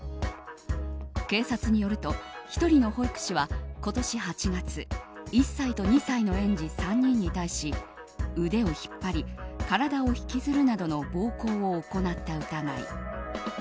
警察によると１人の保育士は今年８月１歳と２歳の園児３人に対し腕を引っ張り体を引きずるなどの暴行を行った疑い。